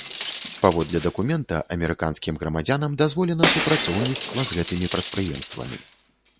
Паводле дакумента, амерыканскім грамадзянам дазволена супрацоўніцтва з гэтымі прадпрыемствамі.